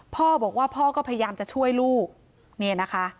พ่อบอกว่าพ่อก็พยายามจะช่วยลูกเนี่ยนะคะ